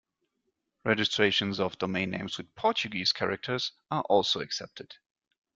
Registrations of domain names with Portuguese characters are also accepted.